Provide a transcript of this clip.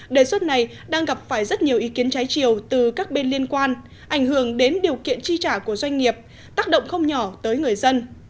đề xuất này đang gặp phải rất nhiều ý kiến trái chiều từ các bên liên quan ảnh hưởng đến điều kiện chi trả của doanh nghiệp tác động không nhỏ tới người dân